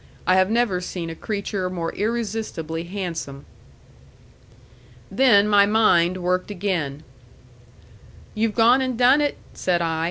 I have never seen a creature more irresistibly handsome. Then my mind worked again. "You've gone and done it," said I.